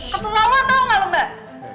ketung lama tau gak lo mbak